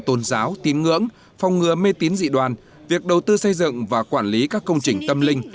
tôn giáo tín ngưỡng phòng ngừa mê tín dị đoàn việc đầu tư xây dựng và quản lý các công trình tâm linh